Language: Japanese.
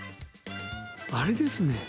あれですね。